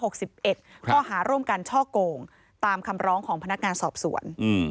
ข้อหาร่วมกันช่อโกงตามคำร้องของพนักงานสอบสวน